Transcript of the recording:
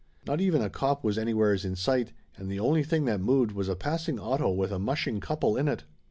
Not even a cop was anywheres in sight, and the only thing that moved was a passing auto with a mushing couple in it.